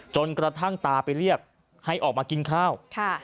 จนกระทั่งตาไปเรียกให้ออกมากินข้าว